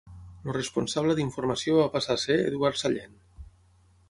El responsable d'informació va passar a ser Eduard Sallent.